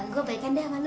gua baikan deh sama lu